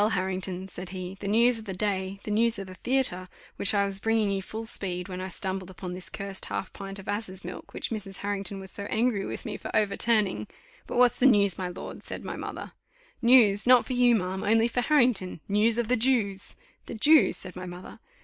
Harrington," said he, "the news of the day, the news of the theatre, which I was bringing you full speed, when I stumbled upon this cursed half pint of asses' milk, which Mrs.. Harrington was so angry with me for overturning " "But what's the news, my lord?" said my mother. "News! not for you, ma'am, only for Harrington; news of the Jews." "The Jews!" said my mother.